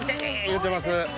言うてます。